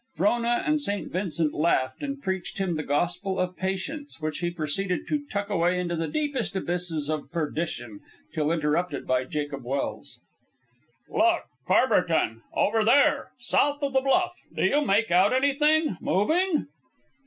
Frona and St. Vincent laughed and preached him the gospel of patience, which he proceeded to tuck away into the deepest abysses of perdition till interrupted by Jacob Welse. "Look, Courbertin! Over there, south of the bluff. Do you make out anything? Moving?"